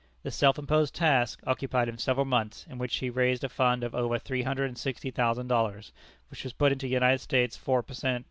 The self imposed task occupied him several months, in which he raised a fund of over three hundred and sixty thousand dollars, which was put into United States four per cent.